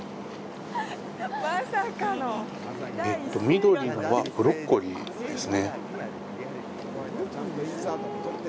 緑のはブロッコリーですね。